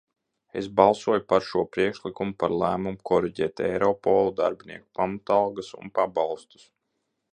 Es balsoju par šo priekšlikumu par lēmumu koriģēt Eiropola darbinieku pamatalgas un pabalstus.